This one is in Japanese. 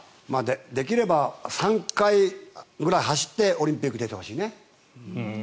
できれば３回ぐらい走ってオリンピック出てほしいね。